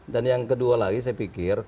dan yang kedua lagi saya pikir